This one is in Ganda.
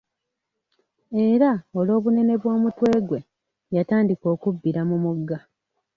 Era, olw'obunene bw'omutwe gwe , yatandika okubbira mu mugga.